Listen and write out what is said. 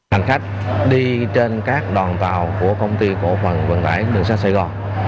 hành khách đi trên các đoàn tàu của công ty cổ phần vận tải đường sắt sài gòn